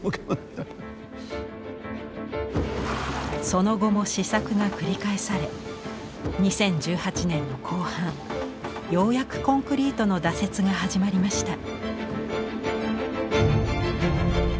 その後も試作が繰り返され２０１８年の後半ようやくコンクリートの打設が始まりました。